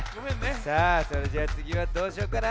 さあそれじゃつぎはどうしようかな？